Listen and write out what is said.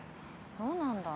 そうなんだ。